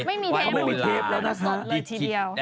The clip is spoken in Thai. เขาไม่มีเทปแล้วนะคะ